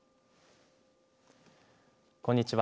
こんにちは。